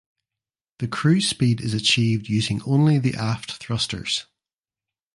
The cruise speed is achieved using only the aft thrusters.